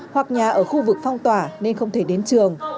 hoặc nhà ở khu vực phong tỏa nên không thể đến trường